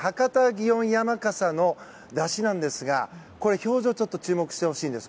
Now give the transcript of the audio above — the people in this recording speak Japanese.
祇園山笠の山車なんですがこれ、表情にちょっと注目してほしいんです。